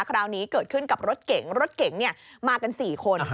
คราวนี้เกิดขึ้นกับรถเก๋งรถเก๋งมากัน๔คน